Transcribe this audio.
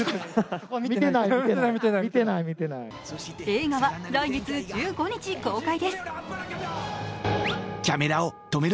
映画は来月１５日公開です。